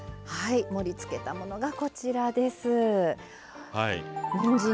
はい盛りつけたものがこちらです。